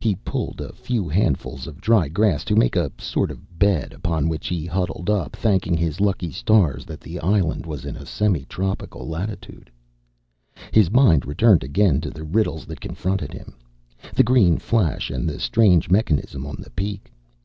He pulled a few handfuls of dry grass to make a sort of bed, upon which he huddled up, thanking his lucky stars that the island was in semi tropical latitudes. His mind returned again to the riddles that confronted him: the green flash and the strange mechanism on the peak.